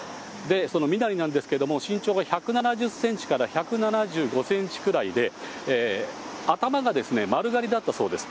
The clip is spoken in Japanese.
その身なりなんですけど、身長が１７０センチから１７５センチくらいで、頭が丸刈りだったそうです。